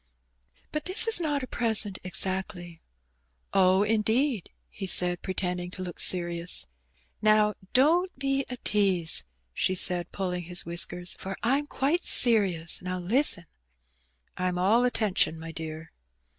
"But this is not a present exactly." "Oh, indeed," he said, pretending to look serious. "Now, don^t be a tease," she said, pulling his whiskersi, "for Fm quite serious. Now listen." "I'm all attention, my dear."